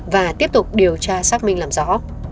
và tiếp tục điều tra xác minh làm rõ